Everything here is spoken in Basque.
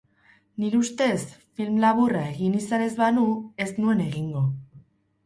Nire ustez, film laburra egin izan ez banu, ez nuen egingo.